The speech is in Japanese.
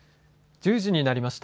１０時になりました。